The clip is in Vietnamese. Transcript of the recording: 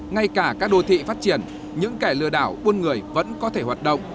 ngay cả các đô thị phát triển những kẻ lừa đảo buôn người vẫn có thể hoạt động